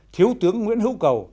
thiếu tướng nguyễn hữu cầu